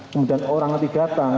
kemudian orang nanti datang